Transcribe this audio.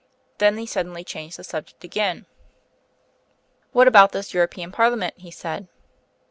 Then he suddenly changed the subject again. "What about this European parliament?" he said.